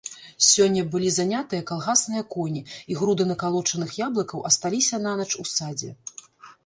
Сёння былі занятыя калгасныя коні, і груды накалочаных яблыкаў асталіся нанач у садзе.